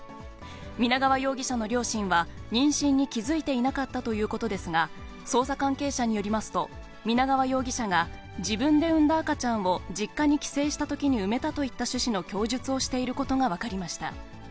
皆川容疑者の両親は、妊娠に気付いていなかったということですが、捜査関係者によりますと、皆川容疑者が、自分で産んだ赤ちゃんを実家に帰省したときに埋めたといった趣旨の供述をしていることが分かりました。